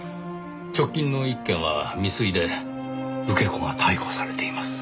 直近の１件は未遂で受け子が逮捕されています。